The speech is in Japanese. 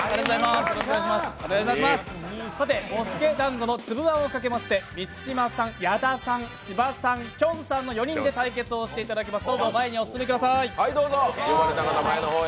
茂助だんごのつぶ餡をかけまして、満島さん、矢田さん、芝さん、きょんさんの４人で対決をしていただきます。